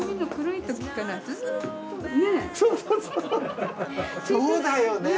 そうだよね。